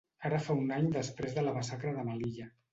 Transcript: Ara fa un any després de la massacre de Melilla